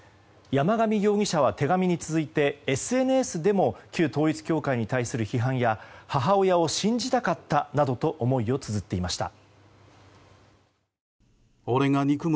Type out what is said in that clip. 山上容疑者は手紙に続いてＳＮＳでも旧統一教会に対する批判や母親を信じたかったなどと思いをつづっていました。